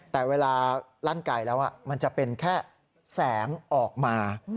แต่เวลาลั่นไก่แล้วมันจะเป็นแค่แสงออกมา